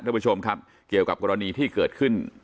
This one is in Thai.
เด็กชมครับเกี่ยวกับกรณีที่เกิดขึ้น